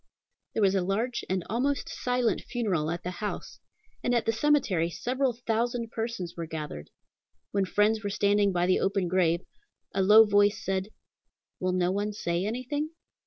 There was a large and almost silent funeral at the house, and at the cemetery several thousand persons were gathered. When friends were standing by the open grave, a low voice said, ""Will no one say anything?"